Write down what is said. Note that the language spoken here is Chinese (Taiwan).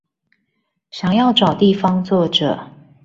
想要找地方坐著